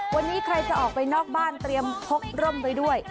วันนี้ใครจะออกไปนอกบ้านเตรียมพกร่มไปด้วย